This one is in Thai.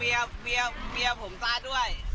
แล้วก็เมียผมซ่ายด้วย